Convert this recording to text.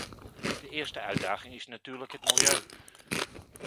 De eerste uitdaging is natuurlijk het milieu.